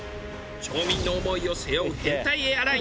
町民の思いを背負う変態エアライン。